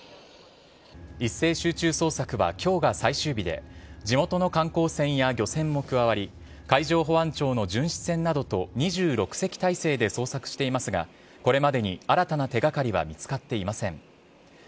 一斉集中捜索はきょうが最終日で、地元の観光船や漁船も加わり、海上保安庁の巡視船などと２６隻態勢で捜索していますが、これまでに新たな手がかりは見つかっていません。